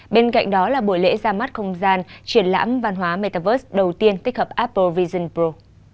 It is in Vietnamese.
bên cạnh đó là buổi lễ ra mắt không gian triển lãm văn hóa metavers đầu tiên tích hợp apple vision pro